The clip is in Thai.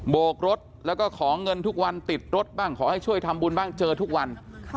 โกกรถแล้วก็ขอเงินทุกวันติดรถบ้างขอให้ช่วยทำบุญบ้างเจอทุกวัน